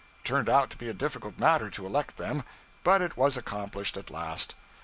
It turned out to be a difficult matter to elect them, but it was accomplished at last.